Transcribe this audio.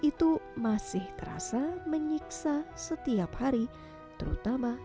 wanita empat puluh delapan tahun ini telah lama hanya bisa beraktifitas dari atas tempat tidurnya saja